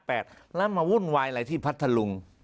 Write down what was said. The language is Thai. แล้วมาวุ่นวายอะไรที่พัทธลุง